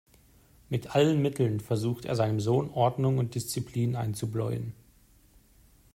Mit allen Mitteln versucht er, seinem Sohn Ordnung und Disziplin einzubläuen.